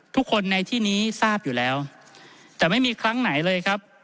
ทุกคนในที่นี้ทราบอยู่แล้วแต่ไม่มีครั้งไหนเลยครับ